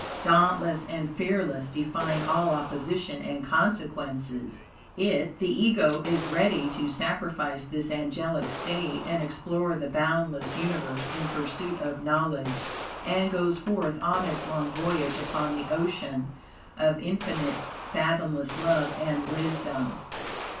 Dauntless and fearless, defying all opposition and consequences, It (the Ego) is ready to sacrifice this angelic state and explore the boundless Universe in pursuit of knowledge, and goes forth on its long voyage upon the ocean of Infinite, fathomless love and wisdom.